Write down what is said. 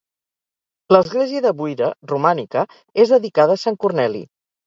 L'església de Buira, romànica, és dedicada a sant Corneli.